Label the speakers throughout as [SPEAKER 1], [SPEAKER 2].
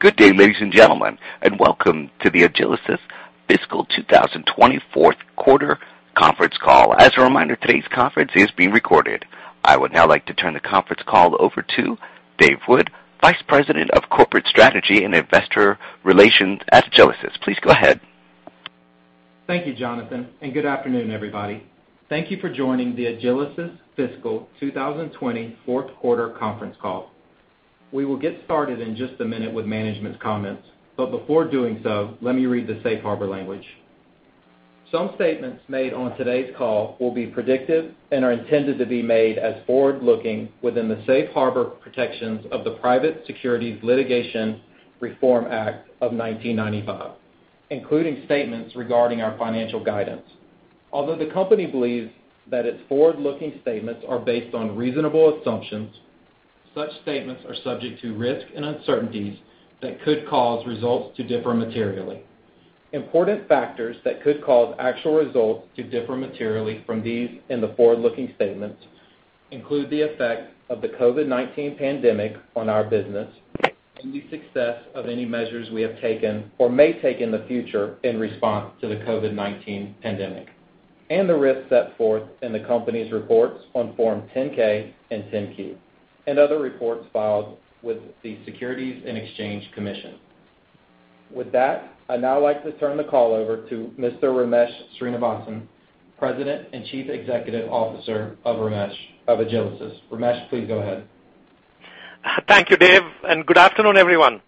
[SPEAKER 1] Good day, ladies and gentlemen, and welcome to the Agilysys Fiscal 2020 Q4 Conference Call. As a reminder, today's conference is being recorded. I would now like to turn the conference call over to Dave Wood, Vice President of Corporate Strategy and Investor Relations at Agilysys. Please go ahead.
[SPEAKER 2] Thank you, Jonathan, and good afternoon, everybody. Thank you for joining the Agilysys Fiscal 2020 Q4 Conference Call. We will get started in just a minute with management's comments, but before doing so, let me read the Safe Harbor language. Some statements made on today's call will be predictive and are intended to be made as forward-looking within the Safe Harbor protections of the Private Securities Litigation Reform Act of 1995, including statements regarding our financial guidance. Although the company believes that its forward-looking statements are based on reasonable assumptions, such statements are subject to risks and uncertainties that could cause results to differ materially. Important factors that could cause actual results to differ materially from these and the forward-looking statements include the effect of the COVID-19 pandemic on our business and the success of any measures we have taken or may take in the future in response to the COVID-19 pandemic, and the risks set forth in the company's reports on Form 10-K and 10-Q, and other reports filed with the Securities and Exchange Commission. With that, I'd now like to turn the call over to Mr. Ramesh Srinivasan, President and Chief Executive Officer of Agilysys. Ramesh, please go ahead.
[SPEAKER 3] Thank you, Dave, and good afternoon, everyone.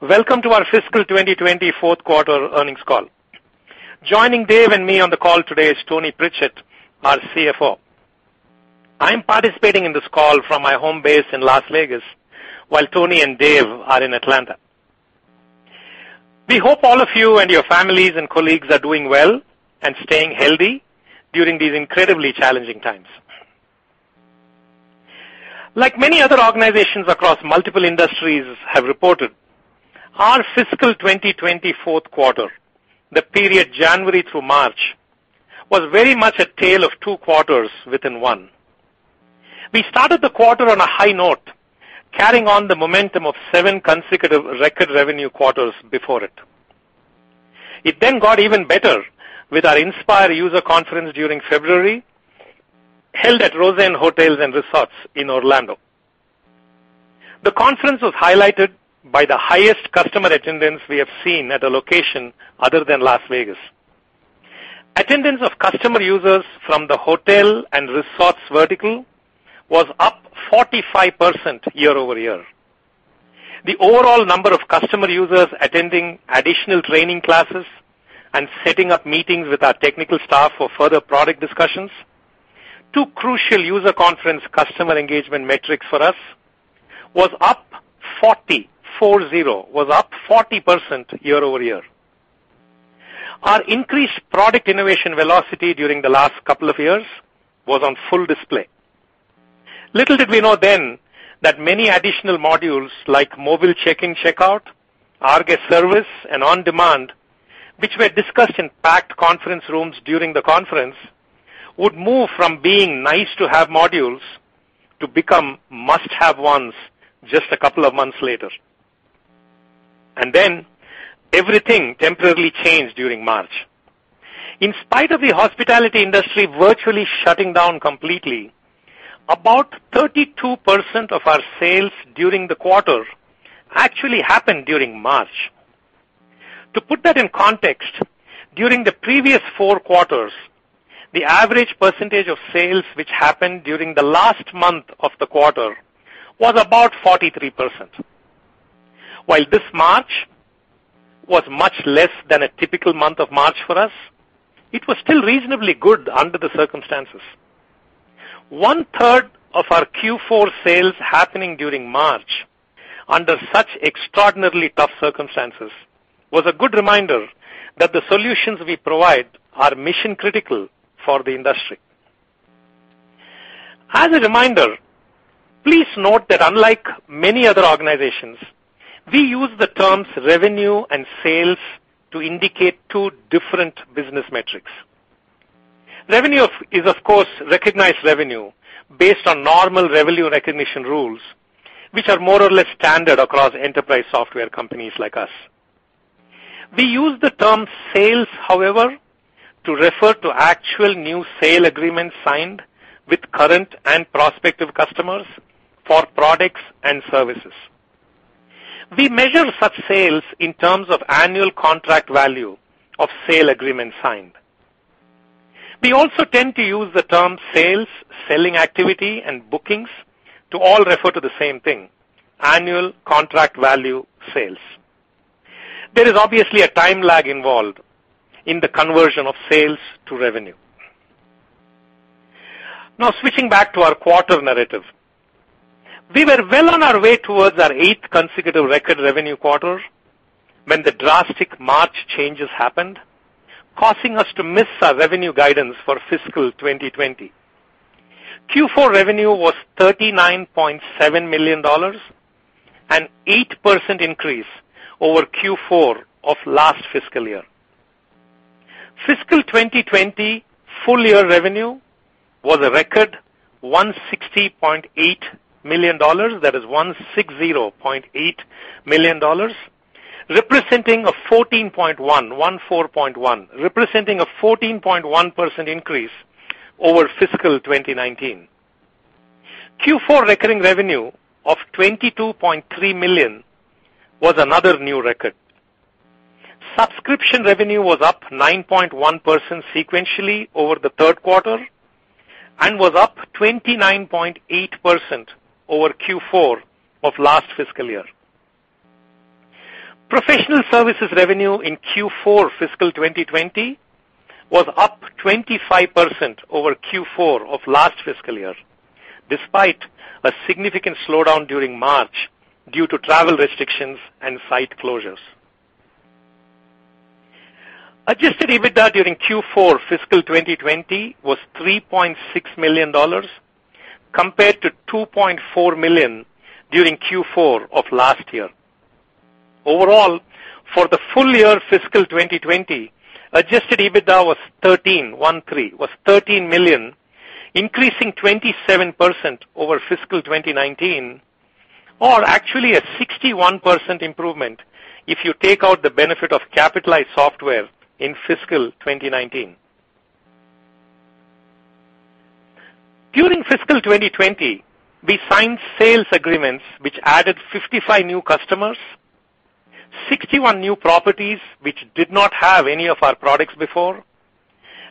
[SPEAKER 3] Welcome to our fiscal 2020 Q4 earnings call. Joining Dave and me on the call today is Tony Pritchett, our CFO. I'm participating in this call from my home base in Las Vegas, while Tony and Dave are in Atlanta. We hope all of you and your families and colleagues are doing well and staying healthy during these incredibly challenging times. Like many other organizations across multiple industries have reported, our fiscal 2020 Q4, the period January through March, was very much a tale of two quarters within one. We started the quarter on a high note, carrying on the momentum of seven consecutive record revenue quarters before it. It then got even better with our Inspire user conference during February, held at Rosen Hotels & Resorts in Orlando. The conference was highlighted by the highest customer attendance we have seen at a location other than Las Vegas. Attendance of customer users from the hotel and resorts vertical was up 45% year-over-year. The overall number of customer users attending additional training classes and setting up meetings with our technical staff for further product discussions, two crucial user conference customer engagement metrics for us, was up 40% year-over-year. Our increased product innovation velocity during the last couple of years was on full display. Little did we know then that many additional modules like Mobile Check-In/Check-Out, rGuest Service, and OnDemand, which were discussed in packed conference rooms during the conference, would move from being nice-to-have modules to become must-have ones just a couple of months later. Everything temporarily changed during March. In spite of the hospitality industry virtually shutting down completely, about 32% of our sales during the quarter actually happened during March. To put that in context, during the previous 4 quarters, the average percentage of sales which happened during the last month of the quarter was about 43%. While this March was much less than a typical month of March for us, it was still reasonably good under the circumstances. One-third of our Q4 sales happening during March under such extraordinarily tough circumstances was a good reminder that the solutions we provide are mission-critical for the industry. As a reminder, please note that unlike many other organizations, we use the terms revenue and sales to indicate two different business metrics. Revenue is, of course, recognized revenue based on normal revenue recognition rules, which are more or less standard across enterprise software companies like us. We use the term sales, however, to refer to actual new sale agreements signed with current and prospective customers for products and services. We measure such sales in terms of annual contract value of sale agreements signed. We also tend to use the term sales, selling activity, and bookings to all refer to the same thing, annual contract value sales. There is obviously a time lag involved in the conversion of sales to revenue. Now, switching back to our quarter narrative. We were well on our way towards our eighth consecutive record revenue quarter when the drastic March changes happened, causing us to miss our revenue guidance for fiscal 2020. Q4 revenue was $39.7 million, an 8% increase over Q4 of last fiscal year. Fiscal 2020 full-year revenue was a record $160.8 million, that is $160.8 million, representing a 14.1%, 1-4.1, representing a 14.1% increase over fiscal 2019. Q4 recurring revenue of $22.3 million was another new record. Subscription revenue was up 9.1% sequentially over the Q3 and was up 29.8% over Q4 of last fiscal year. Professional services revenue in Q4 fiscal 2020 was up 25% over Q4 of last fiscal year, despite a significant slowdown during March due to travel restrictions and site closures. Adjusted EBITDA during Q4 fiscal 2020 was $3.6 million compared to $2.4 million during Q4 of last year. Overall, for the full year fiscal 2020, Adjusted EBITDA was $13 million, increasing 27% over fiscal 2019, or actually a 61% improvement if you take out the benefit of capitalized software in fiscal 2019. During fiscal 2020, we signed sales agreements which added 55 new customers, 61 new properties which did not have any of our products before,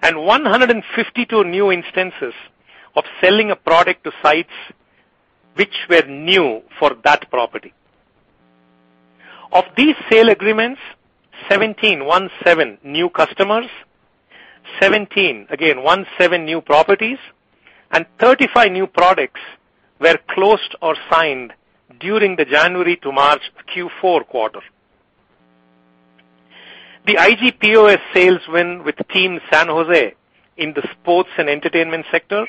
[SPEAKER 3] and 152 new instances of selling a product to sites which were new for that property. Of these sale agreements, 17, 1-7, new customers, 17, again 1-7, new properties, and 35 new products were closed or signed during the January to March Q4 quarter. The IG POS sales win with Team San Jose in the sports and entertainment sector,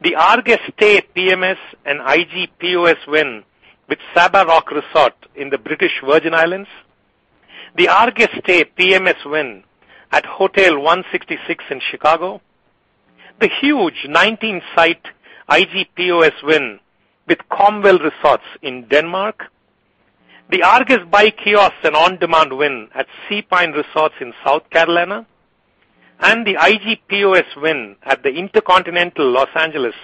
[SPEAKER 3] the rGuest Stay PMS and IG POS win with Saba Rock Resort in the British Virgin Islands, the rGuest Stay PMS win at Hotel 166 in Chicago, the huge 19-site IG POS win with Comwell Hotels in Denmark, the rGuest Buy Kiosk and OnDemand win at The Sea Pines Resort in South Carolina, and the IG POS win at The InterContinental Los Angeles,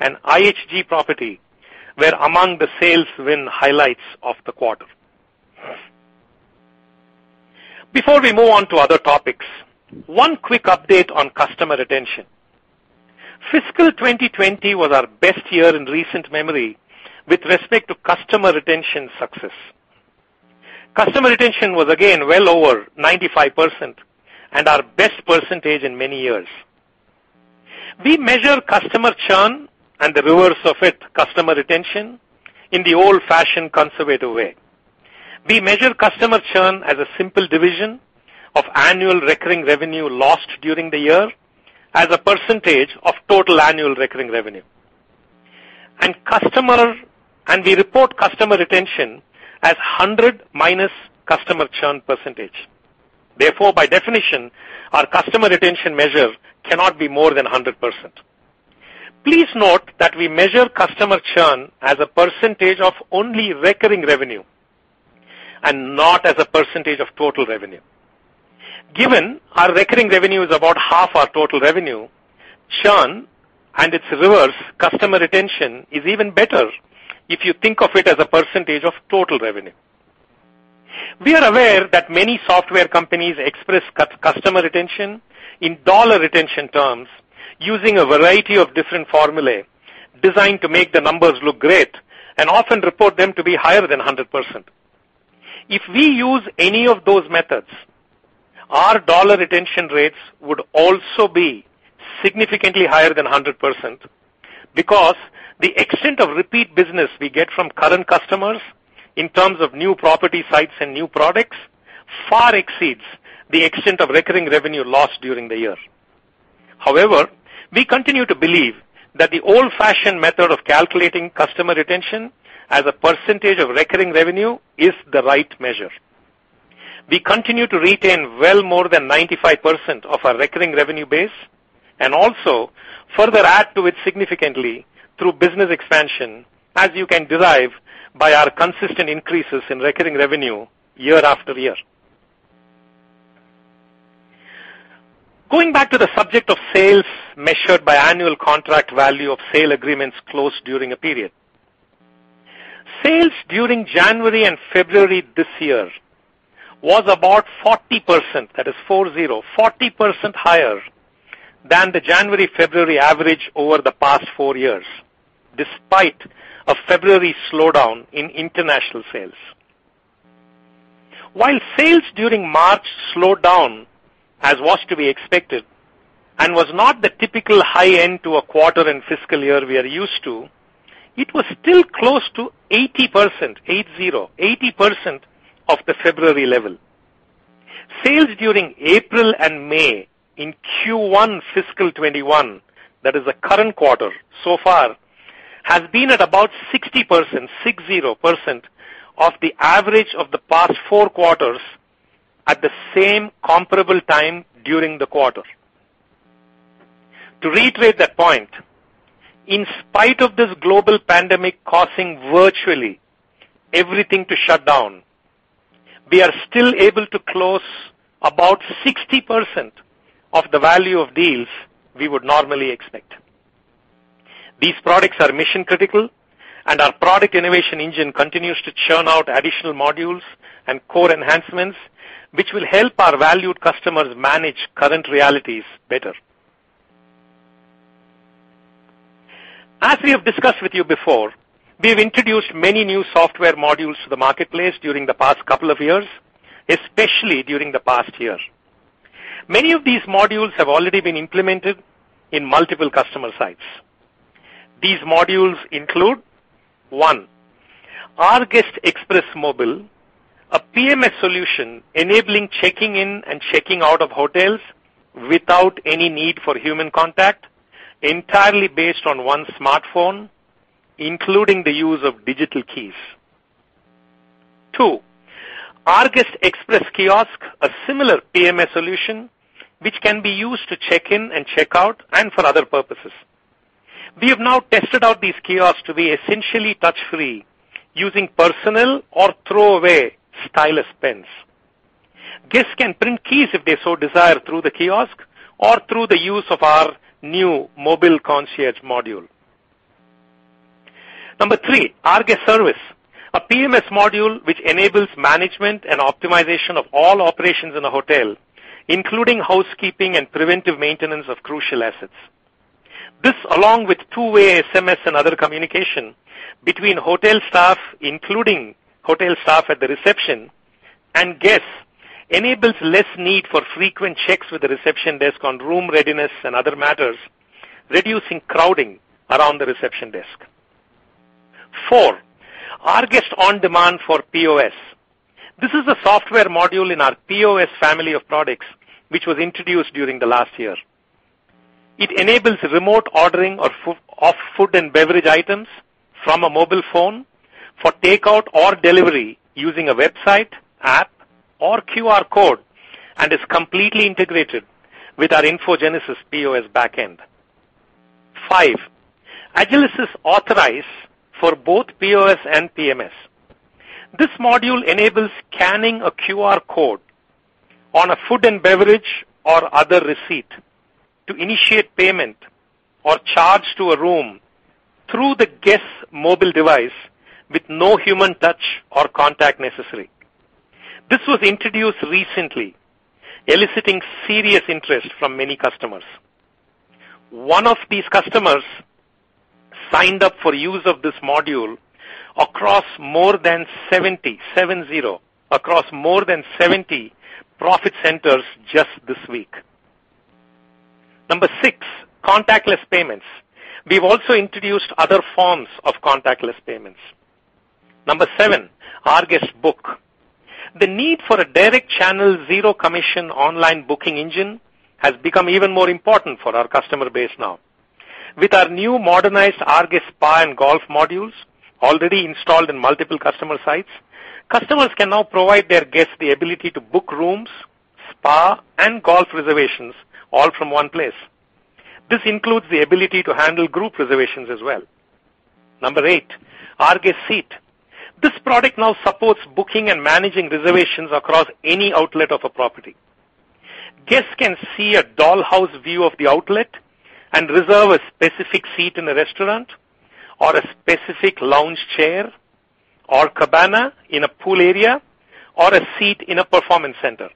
[SPEAKER 3] an IHG property, Were among the sales win highlights of the quarter. Before we move on to other topics, one quick update on customer retention. Fiscal 2020 was our best year in recent memory with respect to customer retention success. Customer retention was again well over 95% and our best percentage in many years. We measure customer churn and the reverse of it, customer retention, in the old-fashioned conservative way. We measure customer churn as a simple division of annual recurring revenue lost during the year as a % of total annual recurring revenue. We report customer retention as 100+ customer churn %. Therefore, by definition, our customer retention measure cannot be more than 100%. Please note that we measure customer churn as a % of only recurring revenue and not as a % of total revenue. Given our recurring revenue is about half our total revenue, churn and its reverse, customer retention, is even better if you think of it as a % of total revenue. We are aware that many software companies express customer retention in dollar retention terms using a variety of different formulae designed to make the numbers look great and often report them to be higher than 100%. If we use any of those methods, our dollar retention rates would also be significantly higher than 100%, because the extent of repeat business we get from current customers in terms of new property sites and new products far exceeds the extent of recurring revenue lost during the year. However, we continue to believe that the old-fashioned method of calculating customer retention as a % of recurring revenue is the right measure. We continue to retain well more than 95% of our recurring revenue base and also further add to it significantly through business expansion, as you can derive by our consistent increases in recurring revenue year after year. Going back to the subject of sales measured by annual contract value of sale agreements closed during a period. Sales during January and February this year was about 40% higher than the January-February average over the past four years, despite a February slowdown in international sales. Sales during March slowed down, as was to be expected, and was not the typical high end to a quarter and fiscal year we are used to, it was still close to 80% of the February level. Sales during April and May in Q1 fiscal 2021, that is the current quarter so far has been at about 60% of the average of the past four quarters at the same comparable time during the quarter. To reiterate that point, in spite of this global pandemic causing virtually everything to shut down, we are still able to close about 60% of the value of deals we would normally expect. These products are mission-critical, and our product innovation engine continues to churn out additional modules and core enhancements, which will help our valued customers manage current realities better. As we have discussed with you before, we've introduced many new software modules to the marketplace during the past couple of years, especially during the past year. Many of these modules have already been implemented in multiple customer sites. These modules include, one, rGuest Express Mobile, a PMS solution enabling checking in and checking out of hotels without any need for human contact, entirely based on one smartphone, including the use of digital keys. Two, rGuest Express Kiosk, a similar PMS solution, which can be used to check in and check out and for other purposes. We have now tested out these kiosks to be essentially touch-free, using personal or throwaway stylus pens. Guests can print keys if they so desire through the kiosk or through the use of our new mobile concierge module. Number 3, rGuest Service, a PMS module which enables management and optimization of all operations in a hotel, including housekeeping and preventive maintenance of crucial assets. This, along with two-way SMS and other communication between hotel staff, including hotel staff at the reception and guests, enables less need for frequent checks with the reception desk on room readiness and other matters, reducing crowding around the reception desk. 4, rGuest OnDemand for POS. This is a software module in our POS family of products, which was introduced during the last year. It enables remote ordering of food and beverage items from a mobile phone for takeout or delivery using a website, app, or QR code, and is completely integrated with our InfoGenesis POS backend. Five, Agilysys Authorize for both POS and PMS. This module enables scanning a QR code on a food and beverage or other receipt to initiate payment or charge to a room through the guest's mobile device with no human touch or contact necessary. This was introduced recently, eliciting serious interest from many customers. One of these customers signed up for use of this module across more than 70 profit centers just this week. Number six, contactless payments. We've also introduced other forms of contactless payments. Number seven, rGuest Book. The need for a direct channel, zero commission online booking engine has become even more important for our customer base now. With our new modernized rGuest Spa and Golf modules already installed in multiple customer sites, customers can now provide their guests the ability to book rooms, spa, and golf reservations all from one place. This includes the ability to handle group reservations as well. Number eight, rGuest Seat. This product now supports booking and managing reservations across any outlet of a property. Guests can see a dollhouse view of the outlet and reserve a specific seat in a restaurant or a specific lounge chair or cabana in a pool area or a seat in a performance center.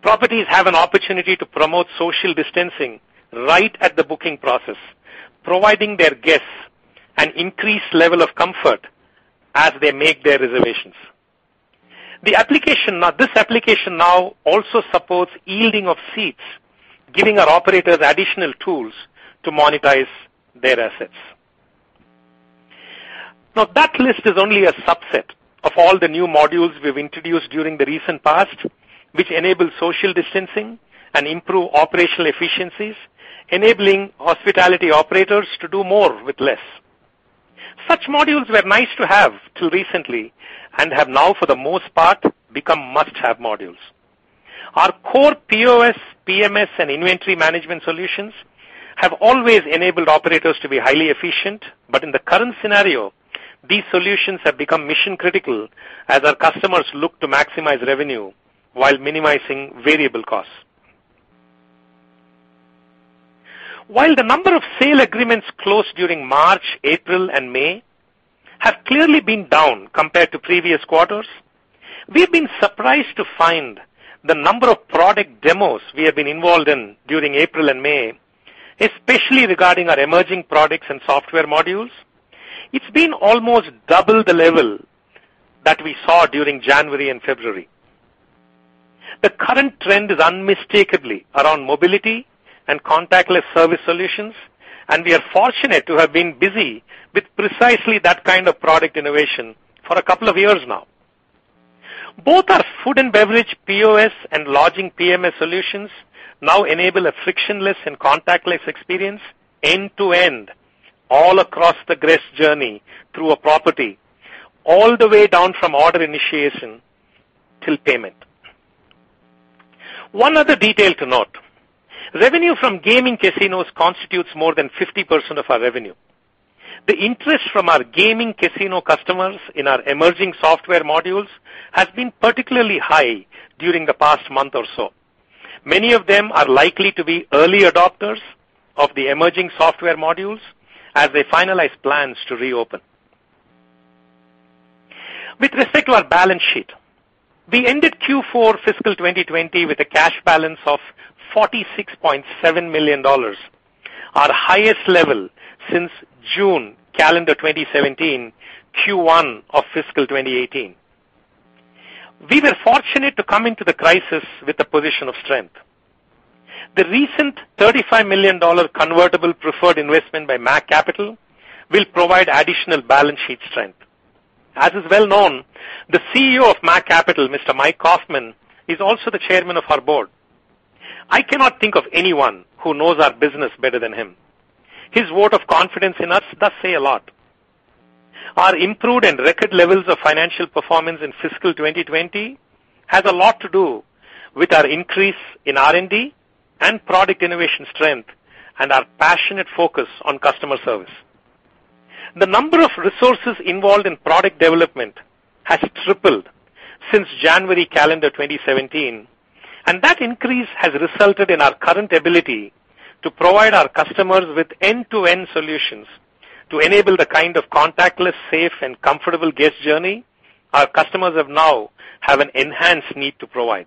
[SPEAKER 3] Properties have an opportunity to promote social distancing right at the booking process, providing their guests an increased level of comfort as they make their reservations. This application now also supports yielding of seats, giving our operators additional tools to monetize their assets. That list is only a subset of all the new modules we've introduced during the recent past, which enable social distancing and improve operational efficiencies, enabling hospitality operators to do more with less. Such modules were nice to have till recently and have now, for the most part, become must-have modules. Our core POS, PMS, and inventory management solutions have always enabled operators to be highly efficient, but in the current scenario, these solutions have become mission-critical as our customers look to maximize revenue while minimizing variable costs. While the number of sale agreements closed during March, April, and May have clearly been down compared to previous quarters, we've been surprised to find the number of product demos we have been involved in during April and May, especially regarding our emerging products and software modules, it's been almost double the level that we saw during January and February. The current trend is unmistakably around mobility and contactless service solutions, and we are fortunate to have been busy with precisely that kind of product innovation for a couple of years now. Both our food and beverage POS and lodging PMS solutions now enable a frictionless and contactless experience end-to-end, all across the guest journey through a property, all the way down from order initiation till payment. One other detail to note, revenue from gaming casinos constitutes more than 50% of our revenue. The interest from our gaming casino customers in our emerging software modules has been particularly high during the past month or so. Many of them are likely to be early adopters of the emerging software modules as they finalize plans to reopen. With respect to our balance sheet, we ended Q4 fiscal 2020 with a cash balance of $46.7 million, our highest level since June calendar 2017, Q1 of fiscal 2018. The recent $35 million convertible preferred investment by MAK Capital will provide additional balance sheet strength. As is well known, the CEO of MAK Capital, Mr. Mike Kaufman, is also the Chairman of our board. I cannot think of anyone who knows our business better than him. His vote of confidence in us does say a lot. Our improved and record levels of financial performance in fiscal 2020 has a lot to do with our increase in R&D and product innovation strength and our passionate focus on customer service. The number of resources involved in product development has tripled since January calendar 2017. That increase has resulted in our current ability to provide our customers with end-to-end solutions to enable the kind of contactless, safe, and comfortable guest journey our customers now have an enhanced need to provide.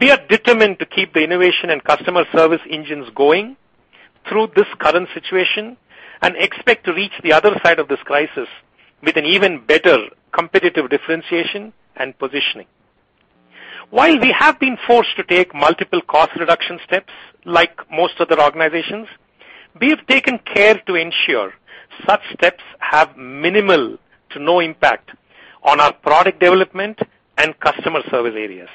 [SPEAKER 3] We are determined to keep the innovation and customer service engines going through this current situation and expect to reach the other side of this crisis with an even better competitive differentiation and positioning. While we have been forced to take multiple cost reduction steps, like most other organizations, we have taken care to ensure such steps have minimal to no impact on our product development and customer service areas.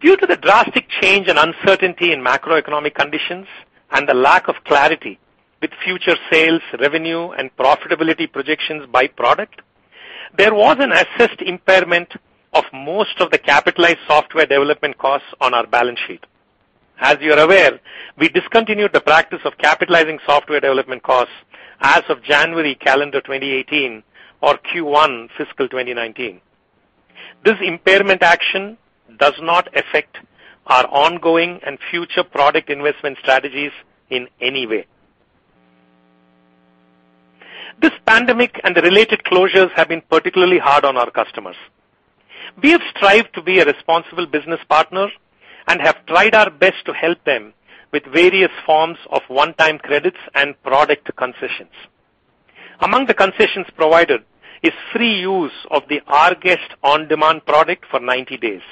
[SPEAKER 3] Due to the drastic change and uncertainty in macroeconomic conditions and the lack of clarity with future sales, revenue, and profitability projections by product, there was an assessed impairment of most of the capitalized software development costs on our balance sheet. As you are aware, we discontinued the practice of capitalizing software development costs as of January calendar 2018 or Q1 fiscal 2019. This impairment action does not affect our ongoing and future product investment strategies in any way. This pandemic and the related closures have been particularly hard on our customers. We have strived to be a responsible business partner and have tried our best to help them with various forms of one-time credits and product concessions. Among the concessions provided is free use of the rGuest OnDemand product for 90 days.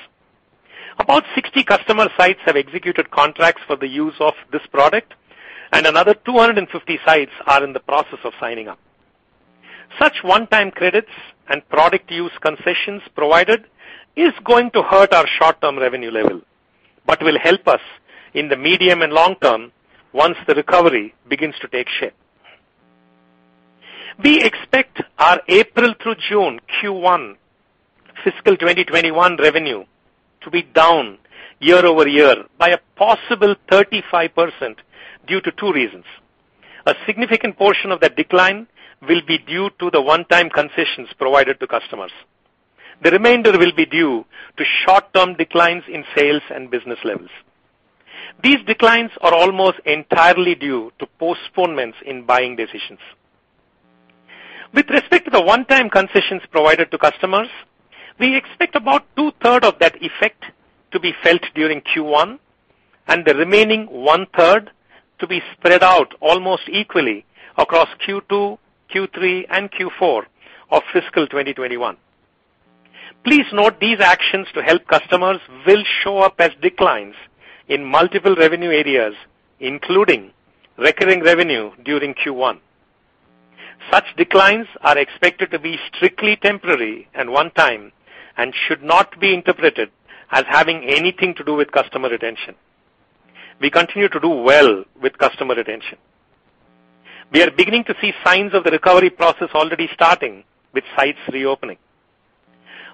[SPEAKER 3] About 60 customer sites have executed contracts for the use of this product, and another 250 sites are in the process of signing up. Such one-time credits and product use concessions provided is going to hurt our short-term revenue level but will help us in the medium and long term once the recovery begins to take shape. We expect our April through June Q1 fiscal 2021 revenue to be down year-over-year by a possible 35% due to two reasons. A significant portion of that decline will be due to the one-time concessions provided to customers. The remainder will be due to short-term declines in sales and business levels. These declines are almost entirely due to postponements in buying decisions. With respect to the one-time concessions provided to customers, we expect about two-third of that effect to be felt during Q1 and the remaining one-third to be spread out almost equally across Q2, Q3, and Q4 of fiscal 2021. Please note these actions to help customers will show up as declines in multiple revenue areas, including recurring revenue during Q1. Such declines are expected to be strictly temporary and one time and should not be interpreted as having anything to do with customer retention. We continue to do well with customer retention. We are beginning to see signs of the recovery process already starting with sites reopening.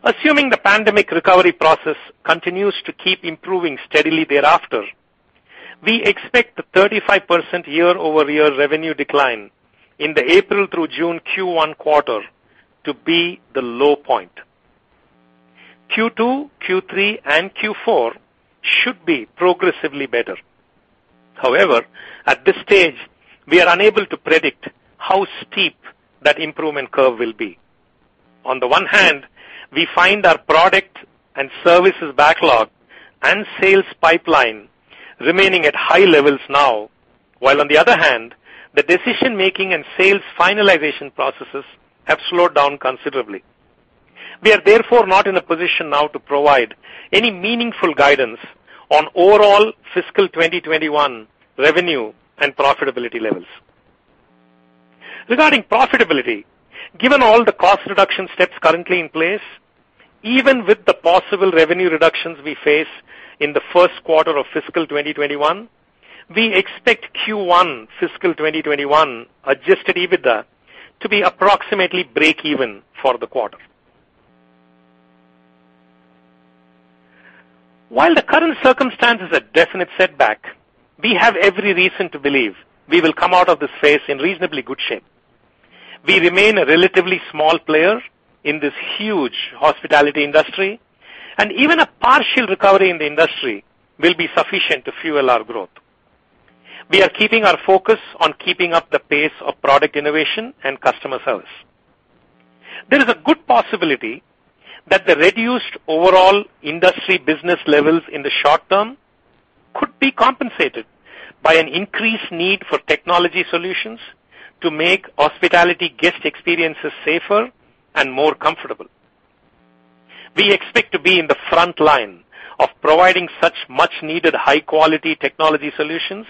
[SPEAKER 3] Assuming the pandemic recovery process continues to keep improving steadily thereafter, we expect the 35% year-over-year revenue decline in the April through June Q1 quarter to be the low point. Q2, Q3, and Q4 should be progressively better. However, at this stage, we are unable to predict how steep that improvement curve will be. On the one hand, we find our product and services backlog and sales pipeline remaining at high levels now, while on the other hand, the decision-making and sales finalization processes have slowed down considerably. We are therefore not in a position now to provide any meaningful guidance on overall fiscal 2021 revenue and profitability levels. Regarding profitability, given all the cost reduction steps currently in place, even with the possible revenue reductions we face in the Q1 of fiscal 2021, we expect Q1 fiscal 2021 Adjusted EBITDA to be approximately breakeven for the quarter. While the current circumstances are a definite setback, we have every reason to believe we will come out of this phase in reasonably good shape. We remain a relatively small player in this huge hospitality industry, and even a partial recovery in the industry will be sufficient to fuel our growth. We are keeping our focus on keeping up the pace of product innovation and customer service. There is a good possibility that the reduced overall industry business levels in the short term could be compensated by an increased need for technology solutions to make hospitality guest experiences safer and more comfortable. We expect to be in the front line of providing such much-needed high-quality technology solutions,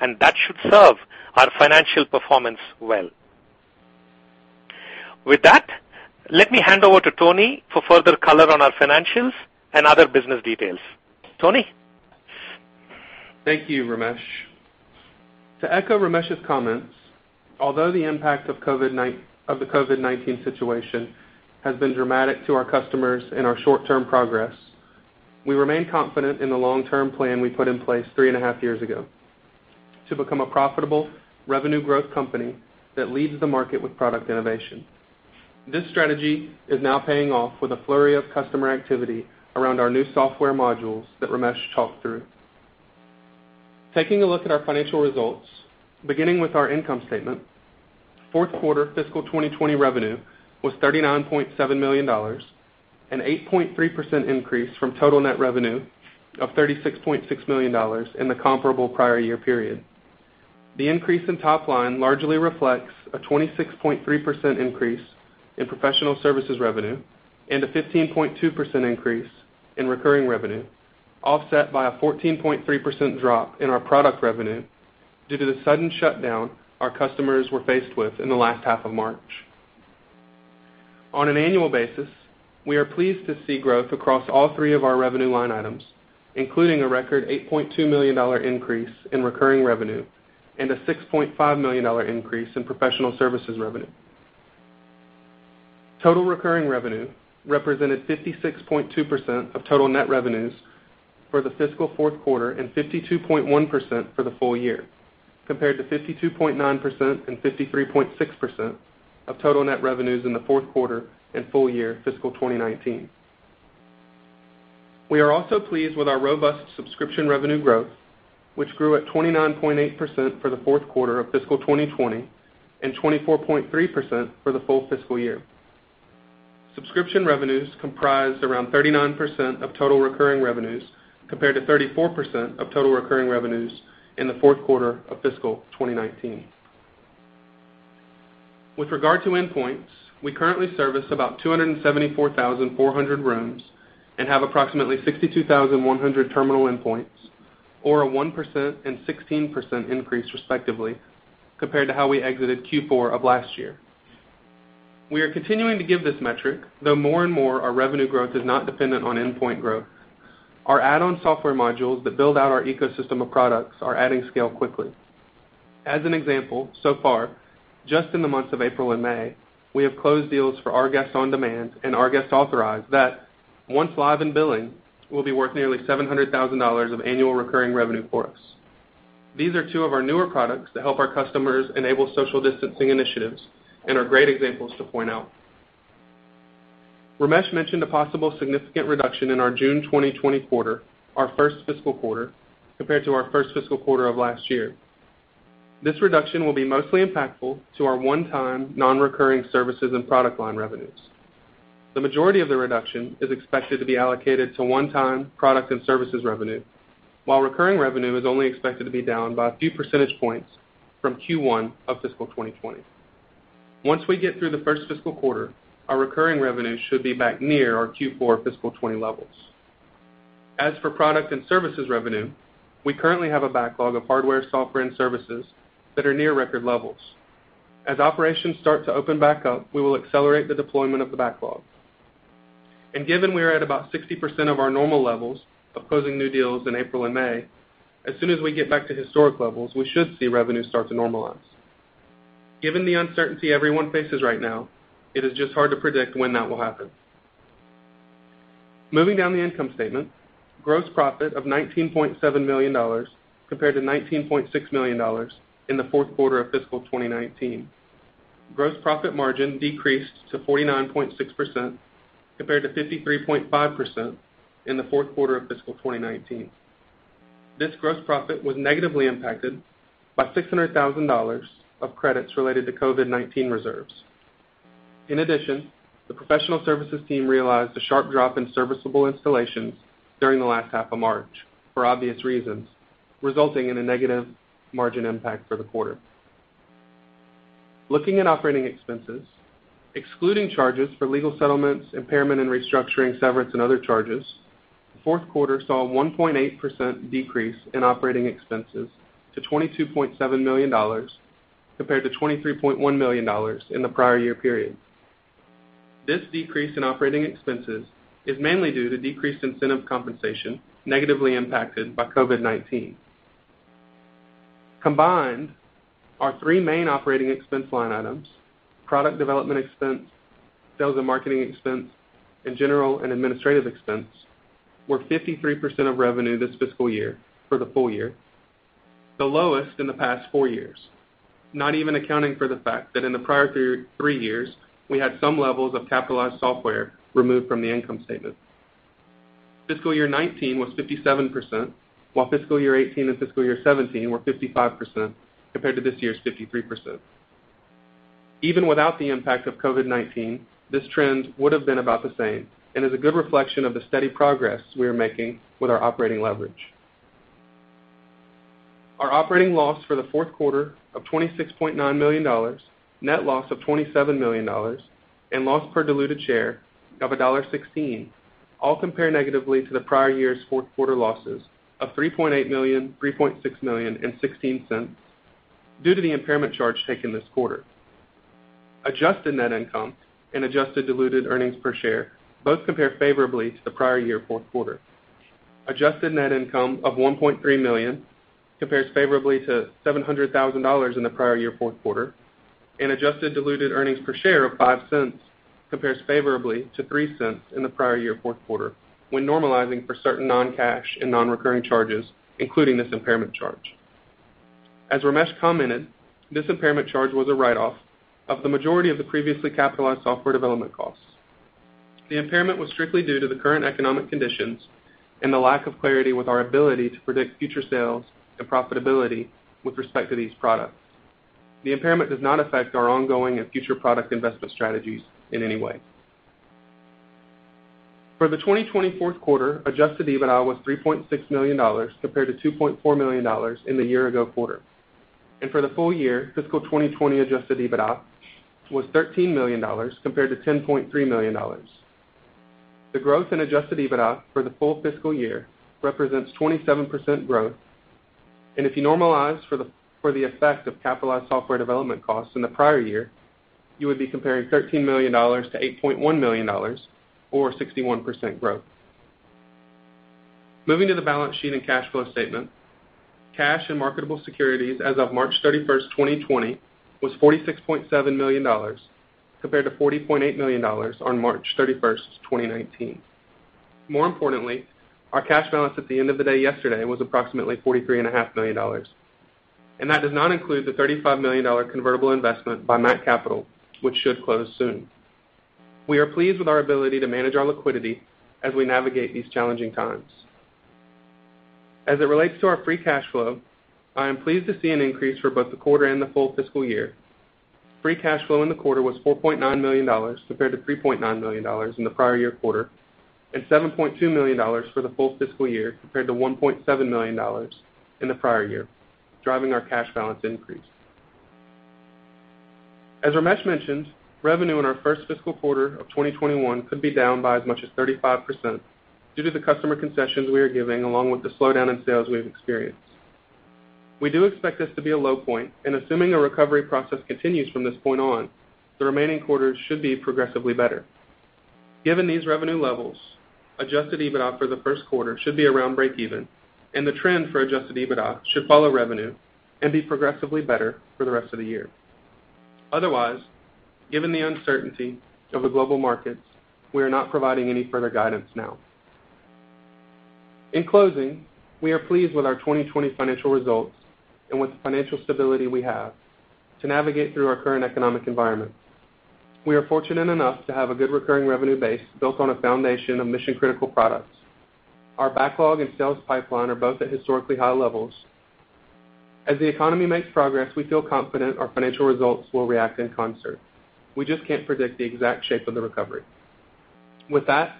[SPEAKER 3] and that should serve our financial performance well. With that, let me hand over to Tony for further color on our financials and other business details. Tony?
[SPEAKER 4] Thank you, Ramesh. To echo Ramesh's comments, although the impact of the COVID-19 situation has been dramatic to our customers and our short-term progress, we remain confident in the long-term plan we put in place three and a half years ago to become a profitable revenue growth company that leads the market with product innovation. This strategy is now paying off with a flurry of customer activity around our new software modules that Ramesh talked through. Taking a look at our financial results, beginning with our income statement, Q4 fiscal 2020 revenue was $39.7 million, an 8.3% increase from total net revenue of $36.6 million in the comparable prior year period. The increase in top line largely reflects a 26.3% increase in professional services revenue and a 15.2% increase in recurring revenue, offset by a 14.3% drop in our product revenue due to the sudden shutdown our customers were faced with in the last half of March. On an annual basis, we are pleased to see growth across all three of our revenue line items, including a record $8.2 million increase in recurring revenue and a $6.5 million increase in professional services revenue. Total recurring revenue represented 56.2% of total net revenues for the fiscal Q4 and 52.1% for the full year, compared to 52.9% and 53.6% of total net revenues in the Q4 and full year fiscal 2019. We are also pleased with our robust subscription revenue growth, which grew at 29.8% for the Q4 of fiscal 2020 and 24.3% for the full fiscal year. Subscription revenues comprised around 39% of total recurring revenues, compared to 34% of total recurring revenues in the Q4 of fiscal 2019. With regard to endpoints, we currently service about 274,400 rooms and have approximately 62,100 terminal endpoints, or a 1% and 16% increase, respectively, compared to how we exited Q4 of last year. We are continuing to give this metric, though more and more our revenue growth is not dependent on endpoint growth. Our add-on software modules that build out our ecosystem of products are adding scale quickly. As an example, so far, just in the months of April and May, we have closed deals for rGuest Buy OnDemand and rGuest Authorize that, once live in billing, will be worth nearly $700,000 of annual recurring revenue for us. These are two of our newer products that help our customers enable social distancing initiatives and are great examples to point out. Ramesh mentioned a possible significant reduction in our June 2020 quarter, our first fiscal quarter, compared to our first fiscal quarter of last year. This reduction will be mostly impactful to our one-time, non-recurring services and product line revenues. The majority of the reduction is expected to be allocated to one-time product and services revenue, while recurring revenue is only expected to be down by a few percentage points from Q1 of fiscal 2020. Once we get through the first fiscal quarter, our recurring revenue should be back near our Q4 fiscal 2020 levels. As for product and services revenue, we currently have a backlog of hardware, software, and services that are near record levels. As operations start to open back up, we will accelerate the deployment of the backlog. Given we are at about 60% of our normal levels of closing new deals in April and May, as soon as we get back to historic levels, we should see revenue start to normalize. Given the uncertainty everyone faces right now, it is just hard to predict when that will happen. Moving down the income statement, gross profit of $19.7 million compared to $19.6 million in the Q4 of fiscal 2019. Gross profit margin decreased to 49.6% compared to 53.5% in the Q4 of fiscal 2019. This gross profit was negatively impacted by $600,000 of credits related to COVID-19 reserves. In addition, the professional services team realized a sharp drop in serviceable installations during the last half of March, for obvious reasons, resulting in a negative margin impact for the quarter. Looking at operating expenses, excluding charges for legal settlements, impairment and restructuring, severance, and other charges, the Q4 saw a 1.8% decrease in operating expenses to $22.7 million compared to $23.1 million in the prior year period. This decrease in operating expenses is mainly due to decreased incentive compensation, negatively impacted by COVID-19. Combined, our three main operating expense line items, product development expense, sales and marketing expense, and general and administrative expense, Were 53% of revenue this fiscal year for the full year, the lowest in the past four years. Not even accounting for the fact that in the prior three years, we had some levels of capitalized software removed from the income statement. Fiscal year 2019 was 57%, while fiscal year 2018 and fiscal year 2017 were 55%, compared to this year's 53%. Even without the impact of COVID-19, this trend would've been about the same and is a good reflection of the steady progress we are making with our operating leverage. Our operating loss for the Q4 of $26.9 million, net loss of $27 million, and loss per diluted share of $1.16 all compare negatively to the prior year's Q4 losses of $3.8 million, $3.6 million, and $0.16 due to the impairment charge taken this quarter. Adjusted net income and adjusted diluted earnings per share both compare favorably to the prior year Q4. Adjusted net income of $1.3 million compares favorably to $700,000 in the prior year Q4. Adjusted diluted earnings per share of $0.05 compares favorably to $0.03 in the prior year Q4 when normalizing for certain non-cash and non-recurring charges, including this impairment charge. As Ramesh commented, this impairment charge was a write-off of the majority of the previously capitalized software development costs. The impairment was strictly due to the current economic conditions and the lack of clarity with our ability to predict future sales and profitability with respect to these products. The impairment does not affect our ongoing and future product investment strategies in any way. For the 2020 Q4, Adjusted EBITDA was $3.6 million compared to $2.4 million in the year ago quarter. For the full year, fiscal 2020 Adjusted EBITDA was $13 million compared to $10.3 million. The growth in Adjusted EBITDA for the full fiscal year represents 27% growth. If you normalize for the effect of capitalized software development costs in the prior year, you would be comparing $13 million-$8.1 million, or 61% growth. Moving to the balance sheet and cash flow statement. Cash and marketable securities as of March 31st, 2020, was $46.7 million compared to $40.8 million on March 31st, 2019. More importantly, our cash balance at the end of the day yesterday was approximately $43.5 million. That does not include the $35 million convertible investment by MAK Capital, which should close soon. We are pleased with our ability to manage our liquidity as we navigate these challenging times. As it relates to our free cash flow, I am pleased to see an increase for both the quarter and the full fiscal year. Free cash flow in the quarter was $4.9 million compared to $3.9 million in the prior year quarter, and $7.2 million for the full fiscal year compared to $1.7 million in the prior year, driving our cash balance increase. As Ramesh mentioned, revenue in our first fiscal quarter of 2021 could be down by as much as 35% due to the customer concessions we are giving, along with the slowdown in sales we've experienced. We do expect this to be a low point, and assuming a recovery process continues from this point on, the remaining quarters should be progressively better. Given these revenue levels, Adjusted EBITDA for the Q1 should be around breakeven, and the trend for Adjusted EBITDA should follow revenue and be progressively better for the rest of the year. Otherwise, given the uncertainty of the global markets, we are not providing any further guidance now. In closing, we are pleased with our 2020 financial results and with the financial stability we have to navigate through our current economic environment. We are fortunate enough to have a good recurring revenue base built on a foundation of mission-critical products. Our backlog and sales pipeline are both at historically high levels. As the economy makes progress, we feel confident our financial results will react in concert. We just can't predict the exact shape of the recovery. With that,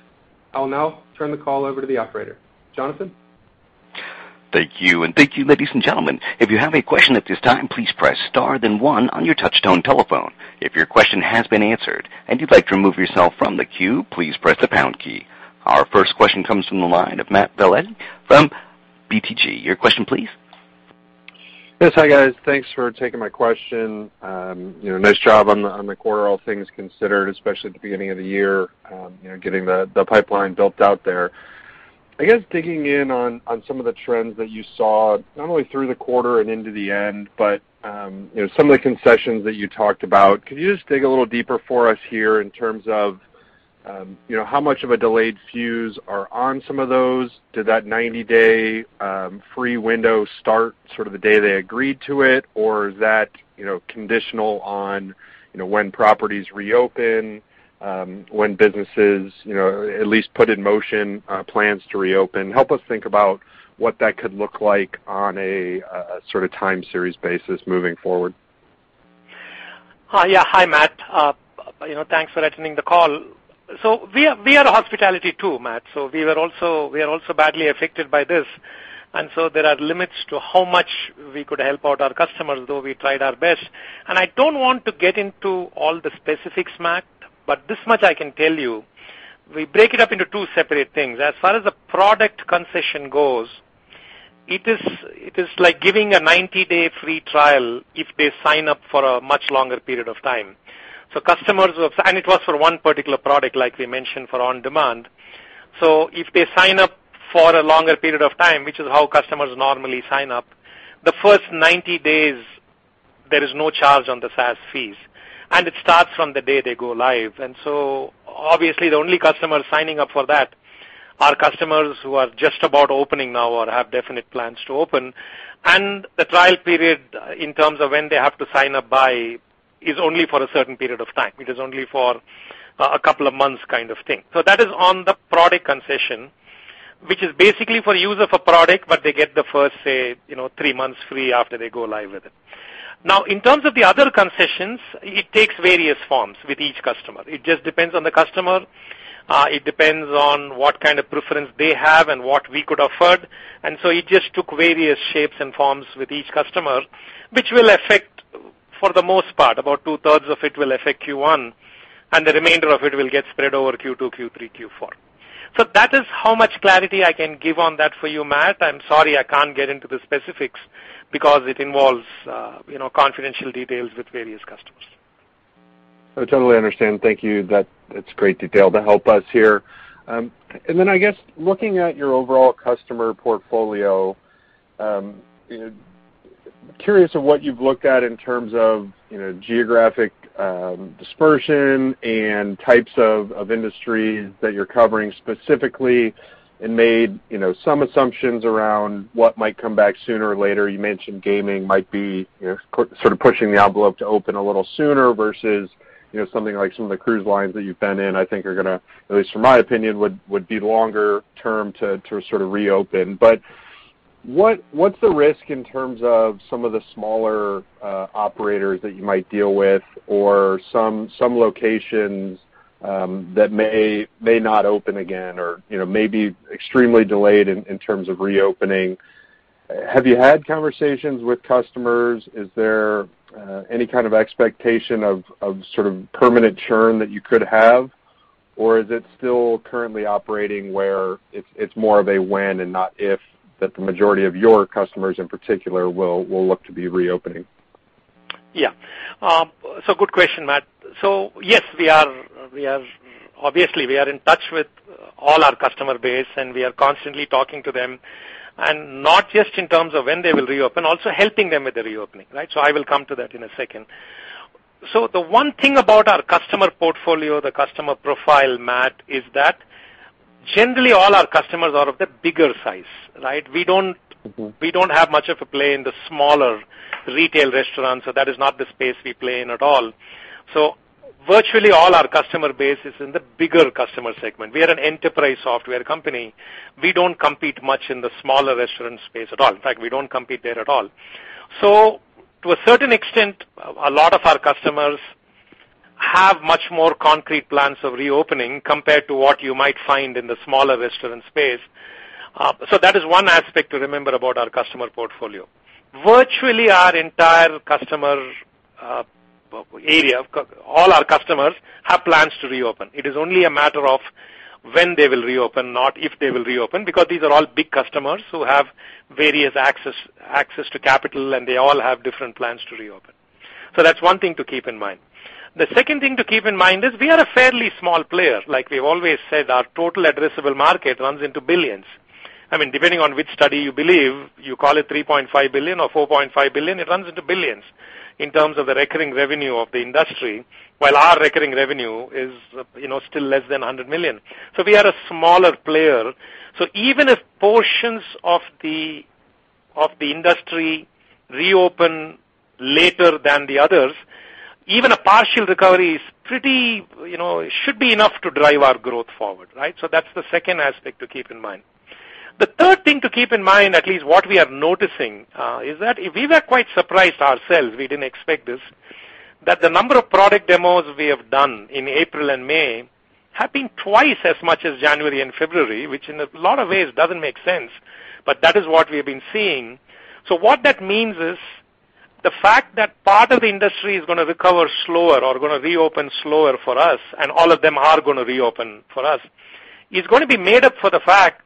[SPEAKER 4] I'll now turn the call over to the operator. Jonathan?
[SPEAKER 1] Thank you, thank you, ladies and gentlemen. If you have a question at this time, please press star then one on your touch tone telephone. If your question has been answered and you'd like to remove yourself from the queue, please press the pound key. Our first question comes from the line of Matt VanVliet from BTIG. Your question please.
[SPEAKER 5] Yes. Hi, guys. Thanks for taking my question. Nice job on the quarter, all things considered, especially at the beginning of the year, getting the pipeline built out there. I guess digging in on some of the trends that you saw, not only through the quarter and into the end, but some of the concessions that you talked about. Could you just dig a little deeper for us here in terms of how much of a delayed fuse are on some of those? Did that 90-day free window start sort of the day they agreed to it, or is that conditional on when properties reopen, when businesses at least put in motion plans to reopen? Help us think about what that could look like on a sort of time series basis moving forward.
[SPEAKER 3] Hi, Matt. Thanks for attending the call. We are hospitality too, Matt, so we are also badly affected by this, and so there are limits to how much we could help out our customers, though we tried our best. I don't want to get into all the specifics, Matt, but this much I can tell you. We break it up into two separate things. As far as the product concession goes, it is like giving a 90-day free trial if they sign up for a much longer period of time. It was for one particular product, like we mentioned, for OnDemand. If they sign up for a longer period of time, which is how customers normally sign up, the first 90 days, there is no charge on the SaaS fees, and it starts from the day they go live. Obviously, the only customers signing up for that are customers who are just about opening now or have definite plans to open. The trial period, in terms of when they have to sign up by, is only for a certain period of time. It is only for a couple of months kind of thing. That is on the product concession, which is basically for use of a product, but they get the first, say, three months free after they go live with it. In terms of the other concessions, it takes various forms with each customer. It just depends on the customer. It depends on what kind of preference they have and what we could offer. It just took various shapes and forms with each customer, which will affect, for the most part, about two-thirds of it will affect Q1, and the remainder of it will get spread over Q2, Q3, Q4. That is how much clarity I can give on that for you, Matt. I'm sorry I can't get into the specifics because it involves confidential details with various customers.
[SPEAKER 5] I totally understand. Thank you. That's great detail to help us here. Then, I guess, looking at your overall customer portfolio, curious of what you've looked at in terms of geographic dispersion and types of industry that you're covering specifically and made some assumptions around what might come back sooner or later? You mentioned gaming might be pushing the envelope to open a little sooner versus something like some of the cruise lines that you've been in, I think are going to, at least from my opinion, would be longer term to reopen. What's the risk in terms of some of the smaller operators that you might deal with or some locations that may not open again or may be extremely delayed in terms of reopening? Have you had conversations with customers? Is there any kind of expectation of permanent churn that you could have? Is it still currently operating where it's more of a when and not if, that the majority of your customers in particular will look to be reopening?
[SPEAKER 3] Yeah. Good question, Matt. Yes, obviously, we are in touch with all our customer base, and we are constantly talking to them. Not just in terms of when they will reopen, also helping them with the reopening, right? I will come to that in a second. The one thing about our customer portfolio, the customer profile, Matt, is that generally all our customers are of the bigger size, right? We don't play much in the smaller retail restaurants. That is not the space we play in at all. Virtually all our customer base is in the bigger customer segment. We are an enterprise software company. We don't compete much in the smaller restaurant space at all. In fact, we don't compete there at all. To a certain extent, a lot of our customers have much more concrete plans of reopening compared to what you might find in the smaller restaurant space. That is one aspect to remember about our customer portfolio. Virtually our entire customer area, all our customers have plans to reopen. It is only a matter of when they will reopen, not if they will reopen, because these are all big customers who have various access to capital, and they all have different plans to reopen. That's one thing to keep in mind. The second thing to keep in mind is we are a fairly small player. Like we've always said, our total addressable market runs into billions. Depending on which study you believe, you call it $3.5 billion or $4.5 billion, it runs into billions in terms of the recurring revenue of the industry, while our recurring revenue is still less than $100 million. We are a smaller player. Even if portions of the industry reopen later than the others, even a partial recovery should be enough to drive our growth forward, right? That's the second aspect to keep in mind. The third thing to keep in mind, at least what we are noticing, is that we were quite surprised ourselves. We didn't expect this, that the number of product demos we have done in April and May have been twice as much as January and February, which in a lot of ways doesn't make sense, but that is what we've been seeing. What that means is the fact that part of the industry is going to recover slower or going to reopen slower for us, and all of them are going to reopen for us, is going to be made up for the fact,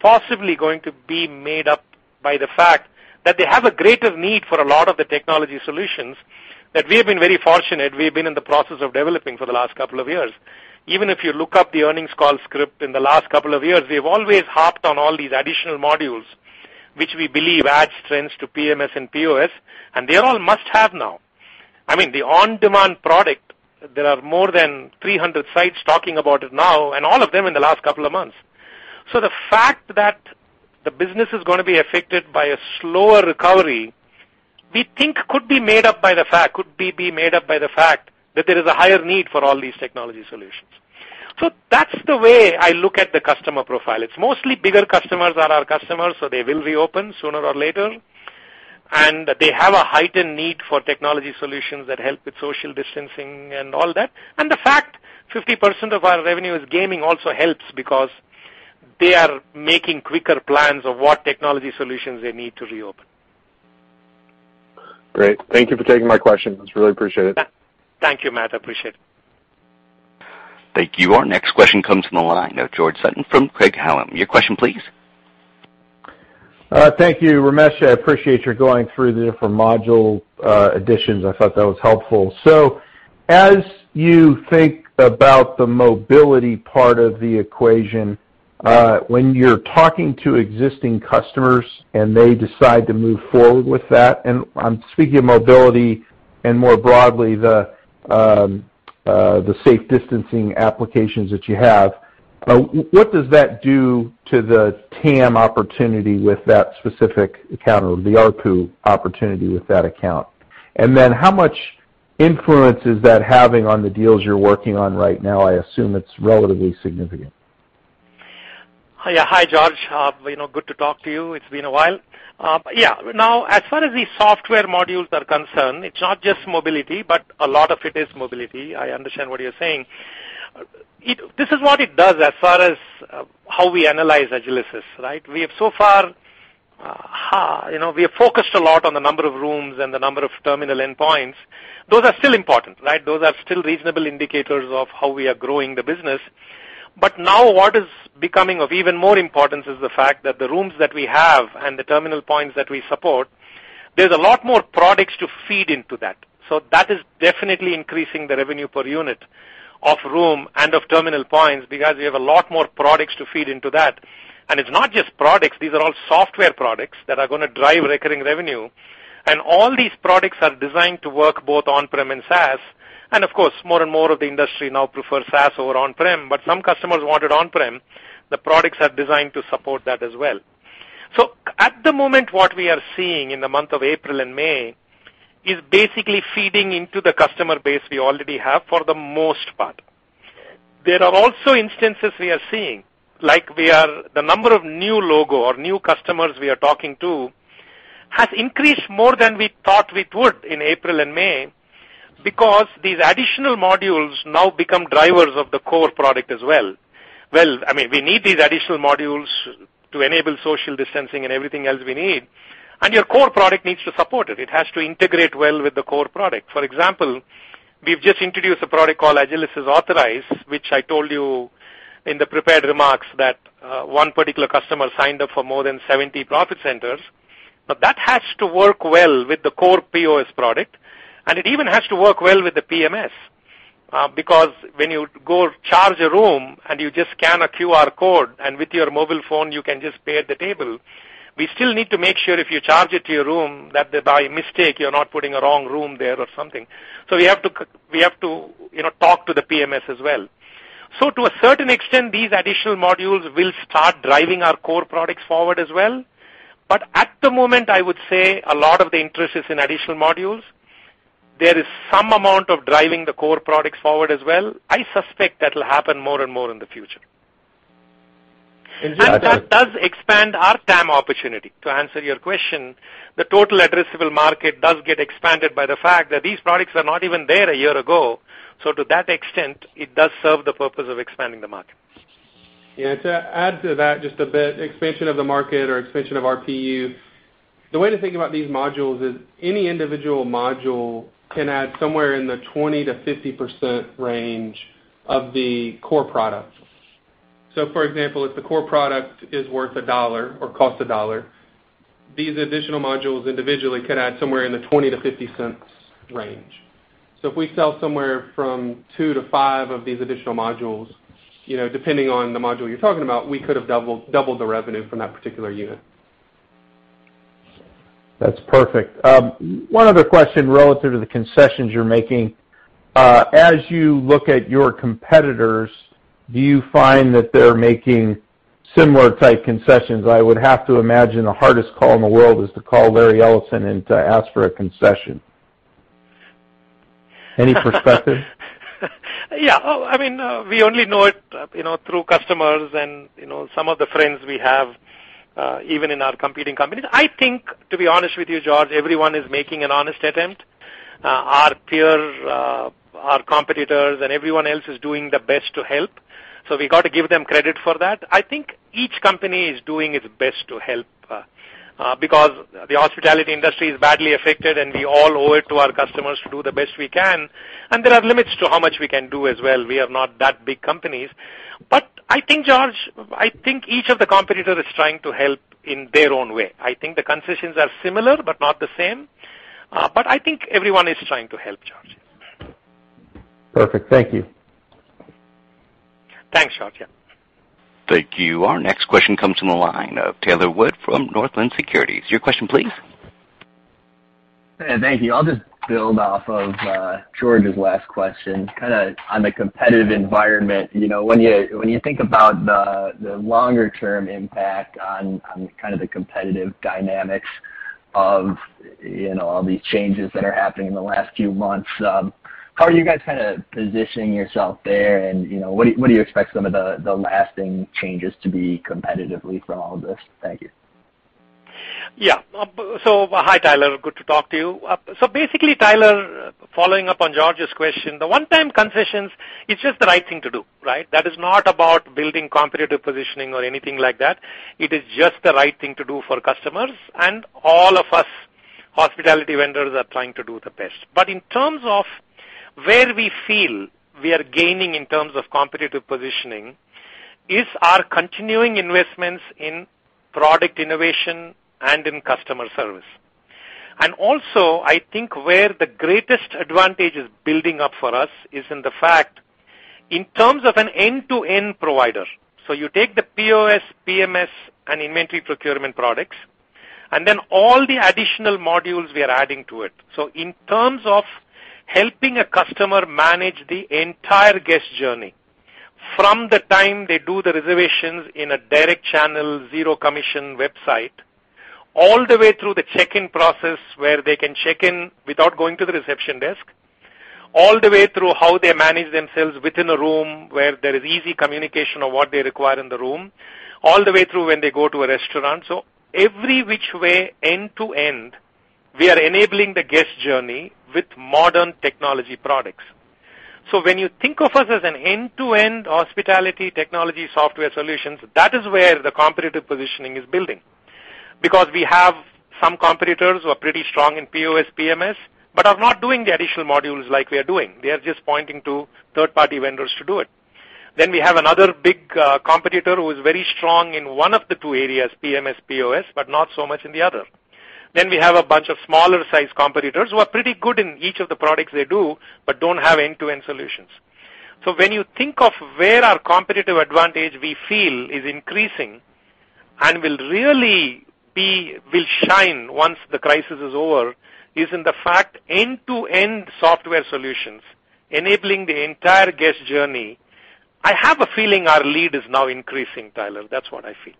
[SPEAKER 3] possibly going to be made up by the fact that they have a greater need for a lot of the technology solutions that we have been very fortunate we've been in the process of developing for the last couple of years. Even if you look up the earnings call script in the last couple of years, we've always harped on all these additional modules, which we believe adds strengths to PMS and POS, and they are all must-have now. The on-demand product, there are more than 300 sites talking about it now, and all of them in the last couple of months. The fact that the business is going to be affected by a slower recovery, we think could be made up by the fact that there is a higher need for all these technology solutions. That's the way I look at the customer profile. It's mostly bigger customers are our customers, so they will reopen sooner or later. They have a heightened need for technology solutions that help with social distancing and all that. The fact 50% of our revenue is gaming also helps because they are making quicker plans of what technology solutions they need to reopen.
[SPEAKER 5] Great. Thank you for taking my question. It's really appreciated.
[SPEAKER 3] Thank you, Matt. Appreciate it.
[SPEAKER 1] Thank you. Our next question comes from the line of George Sutton from Craig-Hallum. Your question, please.
[SPEAKER 6] Thank you, Ramesh. I appreciate your going through the different module additions. I thought that was helpful. As you think about the mobility part of the equation, when you're talking to existing customers and they decide to move forward with that, and I'm speaking of mobility and more broadly, The safe distancing applications that you have, what does that do to the TAM opportunity with that specific account or the ARPU opportunity with that account? How much influence is that having on the deals you're working on right now? I assume it's relatively significant.
[SPEAKER 3] Yeah. Hi, George. Good to talk to you. It's been a while. Yeah. As far as the software modules are concerned, it's not just mobility, but a lot of it is mobility. I understand what you're saying. This is what it does as far as how we analyze Agilysys, right? We have focused a lot on the number of rooms and the number of terminal endpoints. Those are still important, right? Those are still reasonable indicators of how we are growing the business. Now what is becoming of even more importance is the fact that the rooms that we have and the terminal points that we support, there's a lot more products to feed into that. That is definitely increasing the revenue per unit of room and of terminal points because we have a lot more products to feed into that. It's not just products. These are all software products that are going to drive recurring revenue. All these products are designed to work both on-prem and SaaS. Of course, more and more of the industry now prefers SaaS over on-prem. Some customers want it on-prem. The products are designed to support that as well. At the moment, what we are seeing in the month of April and May is basically feeding into the customer base we already have for the most part. There are also instances we are seeing, like the number of new logo or new customers we are talking to has increased more than we thought we would in April and May because these additional modules now become drivers of the core product as well. Well, I mean, we need these additional modules to enable social distancing and everything else we need, and your core product needs to support it. It has to integrate well with the core product. For example, we've just introduced a product called Agilysys Authorize, which I told you in the prepared remarks that one particular customer signed up for more than 70 profit centers. That has to work well with the core POS product, and it even has to work well with the PMS. When you go charge a room and you just scan a QR code, and with your mobile phone, you can just pay at the table, we still need to make sure if you charge it to your room, that by mistake, you're not putting a wrong room there or something. We have to talk to the PMS as well. To a certain extent, these additional modules will start driving our core products forward as well. At the moment, I would say a lot of the interest is in additional modules. There is some amount of driving the core products forward as well. I suspect that'll happen more and more in the future. That does expand our TAM opportunity. To answer your question, the total addressable market does get expanded by the fact that these products are not even there a year ago. To that extent, it does serve the purpose of expanding the market.
[SPEAKER 4] To add to that just a bit, expansion of the market or expansion of RPU, the way to think about these modules is any individual module can add somewhere in the 20%-50% range of the core product. For example, if the core product is worth $1 or costs $1, these additional modules individually could add somewhere in the $0.20-$0.50 range. If we sell somewhere from 2-5 of these additional modules, depending on the module you're talking about, we could have doubled the revenue from that particular unit.
[SPEAKER 6] That's perfect. One other question relative to the concessions you're making. As you look at your competitors, do you find that they're making similar type concessions? I would have to imagine the hardest call in the world is to call Larry Ellison and to ask for a concession. Any perspective?
[SPEAKER 3] Oh, I mean, we only know it through customers and some of the friends we have, even in our competing companies. I think, to be honest with you, George, everyone is making an honest attempt. Our peer, our competitors, and everyone else is doing their best to help. We got to give them credit for that. I think each company is doing its best to help, because the hospitality industry is badly affected, and we all owe it to our customers to do the best we can. There are limits to how much we can do as well. We are not that big companies. I think, George, I think each of the competitors is trying to help in their own way. I think the concessions are similar but not the same. I think everyone is trying to help, George.
[SPEAKER 6] Perfect. Thank you.
[SPEAKER 3] Thanks, George. Yeah.
[SPEAKER 1] Thank you. Our next question comes from the line of Tyler Wood from Northland Securities. Your question, please.
[SPEAKER 7] Thank you. I'll just build off of George's last question, kind of on the competitive environment. When you think about the longer-term impact on kind of the competitive dynamics of all these changes that are happening in the last few months, how are you guys positioning yourself there, and what do you expect some of the lasting changes to be competitively from all of this? Thank you.
[SPEAKER 3] Yeah. Hi, Tyler. Good to talk to you. Basically, Tyler, following up on George's question, the one-time concessions, it's just the right thing to do, right? That is not about building competitive positioning or anything like that. It is just the right thing to do for customers, and all of us hospitality vendors are trying to do the best. In terms of where we feel we are gaining in terms of competitive positioning is our continuing investments in product innovation and in customer service. Also, I think where the greatest advantage is building up for us is in the fact, in terms of an end-to-end provider. You take the POS, PMS, and inventory procurement products, and then all the additional modules we are adding to it. In terms of helping a customer manage the entire guest journey from the time they do the reservations in a direct channel, zero-commission website, all the way through the check-in process where they can check in without going to the reception desk, all the way through how they manage themselves within a room where there is easy communication of what they require in the room, all the way through when they go to a restaurant. Every which way, end-to-end, we are enabling the guest journey with modern technology products. When you think of us as an end-to-end hospitality technology software solutions, that is where the competitive positioning is building. We have some competitors who are pretty strong in POS, PMS, but are not doing the additional modules like we are doing. They are just pointing to third-party vendors to do it. We have another big competitor who is very strong in one of the two areas, PMS, POS, but not so much in the other. We have a bunch of smaller-sized competitors who are pretty good in each of the products they do but don't have end-to-end solutions. When you think of where our competitive advantage, we feel is increasing and will really shine once the crisis is over, is in the fact end-to-end software solutions enabling the entire guest journey. I have a feeling our lead is now increasing, Tyler. That's what I feel.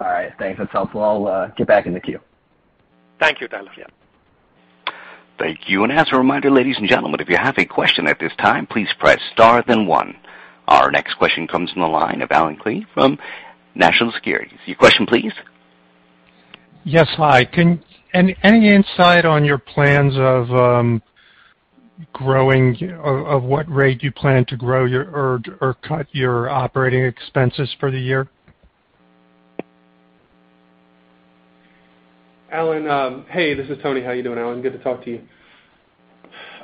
[SPEAKER 7] All right. Thanks. That's helpful. I'll get back in the queue.
[SPEAKER 3] Thank you, Tyler.
[SPEAKER 7] Yeah.
[SPEAKER 1] Thank you. As a reminder, ladies and gentlemen, if you have a question at this time, please press star then one. Our next question comes from the line of Allen Klee from National Securities. Your question please.
[SPEAKER 8] Yes. Hi. Any insight on your plans of what rate you plan to grow or cut your operating expenses for the year?
[SPEAKER 4] Allen, hey. This is Tony. How you doing, Allen? Good to talk to you.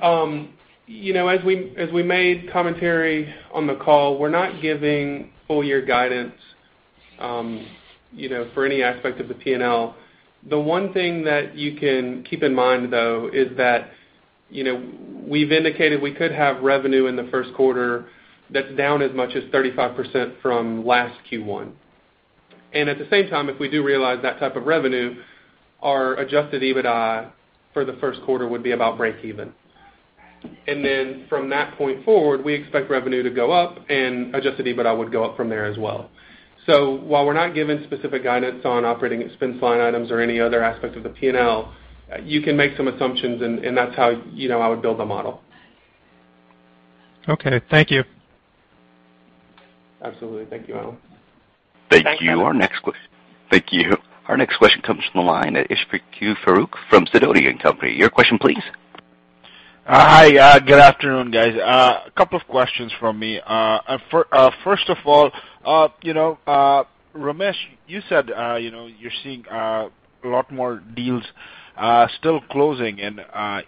[SPEAKER 4] As we made commentary on the call, we're not giving full year guidance for any aspect of the P&L. The one thing that you can keep in mind, though, is that we've indicated we could have revenue in the Q1 that's down as much as 35% from last Q1. At the same time, if we do realize that type of revenue, our Adjusted EBITDA for the Q1 would be about breakeven. From that point forward, we expect revenue to go up and Adjusted EBITDA would go up from there as well. While we're not giving specific guidance on operating expense line items or any other aspect of the P&L, you can make some assumptions, and that's how I would build a model.
[SPEAKER 8] Okay. Thank you.
[SPEAKER 4] Absolutely. Thank you, Allen.
[SPEAKER 1] Thank you. Our next question comes from the line of Ishfaque Faruk from Sidoti & Company. Your question please.
[SPEAKER 9] Hi. Good afternoon, guys. A couple of questions from me. First of all, Ramesh, you said, you're seeing a lot more deals still closing in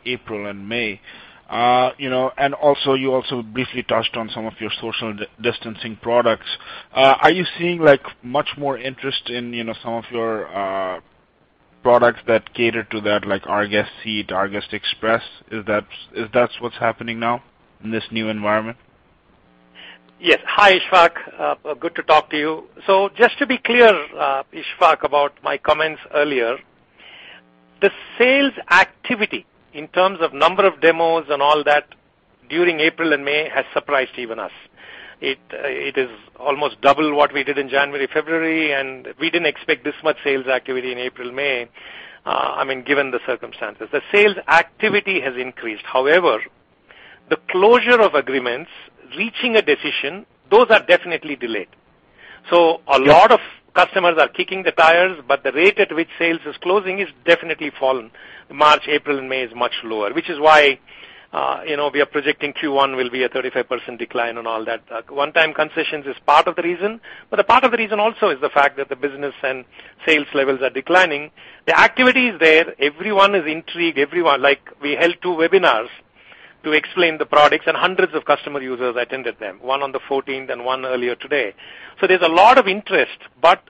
[SPEAKER 9] April and May. Also, you also briefly touched on some of your social distancing products. Are you seeing much more interest in some of your products that cater to that, like rGuest Seat, rGuest Express? Is that what's happening now in this new environment?
[SPEAKER 3] Yes. Hi, Ishfaque. Good to talk to you. Just to be clear, Ishfaque, about my comments earlier, the sales activity in terms of number of demos and all that during April and May has surprised even us. It is almost double what we did in January, February, and we didn't expect this much sales activity in April, May, given the circumstances. The sales activity has increased. However, the closure of agreements, reaching a decision, those are definitely delayed. A lot of customers are kicking the tires, but the rate at which sales is closing has definitely fallen. March, April, and May is much lower, which is why we are projecting Q1 will be a 35% decline and all that. One-time concessions is part of the reason, but a part of the reason also is the fact that the business and sales levels are declining. The activity is there. Everyone is intrigued. We held two webinars to explain the products, and hundreds of customer users attended them, one on the 14th and one earlier today. There's a lot of interest, but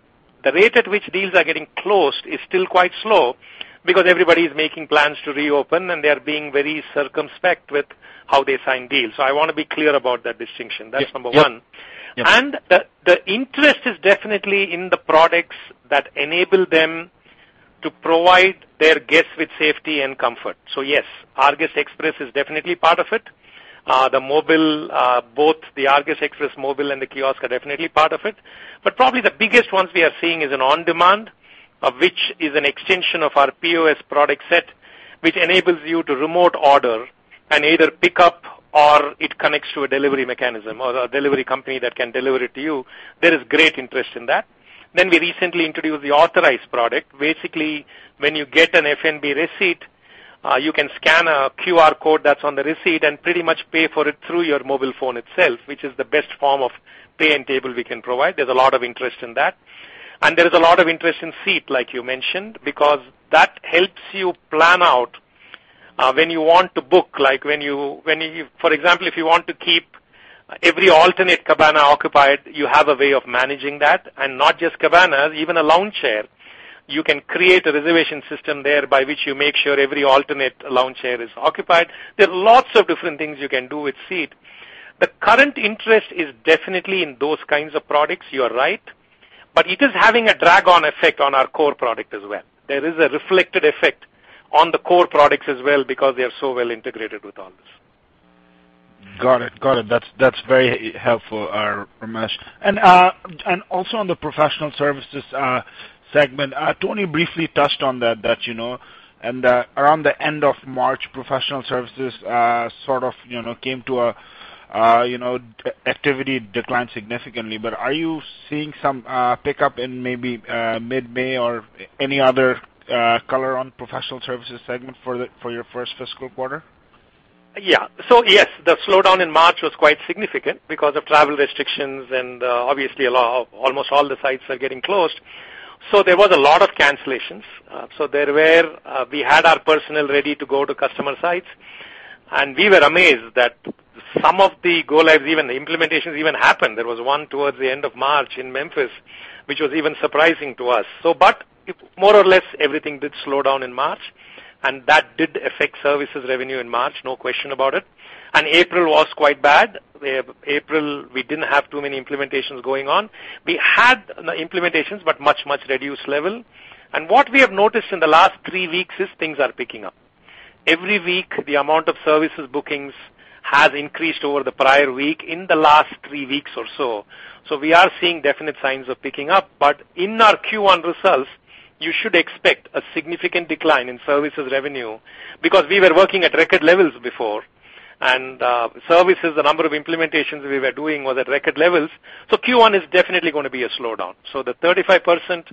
[SPEAKER 3] the rate at which deals are getting closed is still quite slow because everybody's making plans to reopen, and they are being very circumspect with how they sign deals. I want to be clear about that distinction. That's number one.
[SPEAKER 9] Yep.
[SPEAKER 3] The interest is definitely in the products that enable them to provide their guests with safety and comfort. Yes, rGuest Express is definitely part of it. The mobile, both the rGuest Express Mobile and the kiosk are definitely part of it. Probably the biggest ones we are seeing is an on-demand, which is an extension of our POS product set, Which enables you to remote order and either pick up or it connects to a delivery mechanism or a delivery company that can deliver it to you. There is great interest in that. We recently introduced the authorize product. Basically, when you get an F&B receipt, you can scan a QR code that's on the receipt and pretty much pay for it through your mobile phone itself, which is the best form of pay at table we can provide. There's a lot of interest in that. There is a lot of interest in rGuest Seat, like you mentioned, because that helps you plan out when you want to book. For example, if you want to keep every alternate cabana occupied, you have a way of managing that. Not just cabanas, even a lounge chair, you can create a reservation system there by which you make sure every alternate lounge chair is occupied. There are lots of different things you can do with rGuest Seat. The current interest is definitely in those kinds of products, you are right. It is having a drag on effect on our core product as well. There is a reflected effect on the core products as well because they are so well integrated with all this.
[SPEAKER 9] Got it. That's very helpful, Ramesh. Also on the professional services segment, Tony briefly touched on that, and around the end of March, professional services activity declined significantly. Are you seeing some pickup in maybe mid-May or any other color on professional services segment for your first fiscal quarter?
[SPEAKER 3] Yes, the slowdown in March was quite significant because of travel restrictions and obviously almost all the sites are getting closed. There was a lot of cancellations. We had our personnel ready to go to customer sites, and we were amazed that some of the go-lives, even the implementations even happened. There was one towards the end of March in Memphis, which was even surprising to us. More or less, everything did slow down in March, and that did affect services revenue in March, no question about it. April was quite bad. April, we didn't have too many implementations going on. We had implementations, but much reduced level. What we have noticed in the last three weeks is things are picking up. Every week, the amount of services bookings has increased over the prior week in the last three weeks or so. We are seeing definite signs of picking up. In our Q1 results, you should expect a significant decline in services revenue because we were working at record levels before. Services, the number of implementations we were doing was at record levels. Q1 is definitely going to be a slowdown. The 35%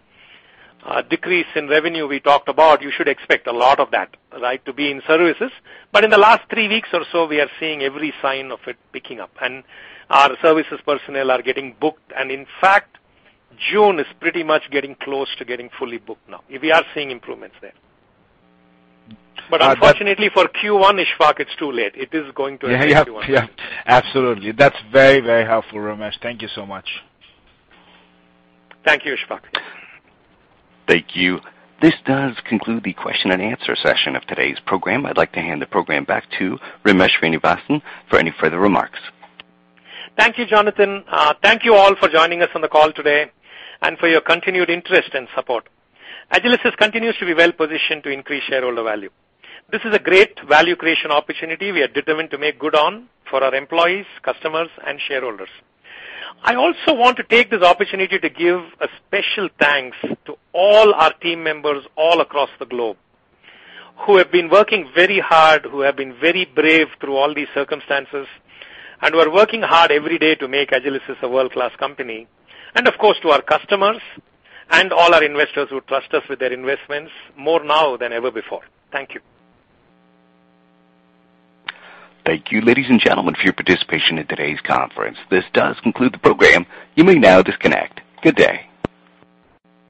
[SPEAKER 3] decrease in revenue we talked about, you should expect a lot of that to be in services. In the last three weeks or so, we are seeing every sign of it picking up, and our services personnel are getting booked. In fact, June is pretty much getting close to getting fully booked now. We are seeing improvements there. Unfortunately for Q1, Ishfaque, it's too late. It is going to affect Q1.
[SPEAKER 9] Yeah. Absolutely. That's very helpful, Ramesh. Thank you so much.
[SPEAKER 3] Thank you, Ishfaque.
[SPEAKER 1] Thank you. This does conclude the question and answer session of today's program. I'd like to hand the program back to Ramesh Srinivasan for any further remarks.
[SPEAKER 3] Thank you, Jonathan. Thank you all for joining us on the call today and for your continued interest and support. Agilysys continues to be well-positioned to increase shareholder value. This is a great value creation opportunity we are determined to make good on for our employees, customers, and shareholders. I also want to take this opportunity to give a special thanks to all our team members all across the globe, who have been working very hard, who have been very brave through all these circumstances, and who are working hard every day to make Agilysys a world-class company. Of course, to our customers and all our investors who trust us with their investments more now than ever before. Thank you.
[SPEAKER 1] Thank you, ladies and gentlemen, for your participation in today's conference. This does conclude the program. You may now disconnect. Good day.